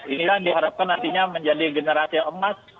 inilah diharapkan nantinya menjadi generasi emas